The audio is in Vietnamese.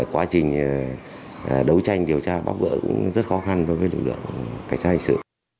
quá trình đấu tranh điều tra bảo vệ cũng rất khó khăn với lực lượng cảnh sát hành sự